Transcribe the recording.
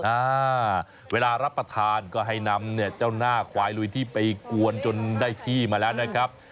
อ่าเวลารับประทานก็ให้นำเนี่ยเจ้าหน้าควายลุยที่ไปกวนจนได้ที่มาแล้วนะครับ